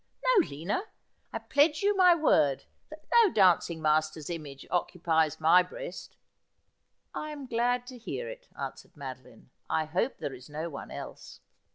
No, Lina ; I pledge you my word that no dancing master's image occupies my breast.' ' I am glad to hear it,' answered Madoline. ' I hope there is no one else.'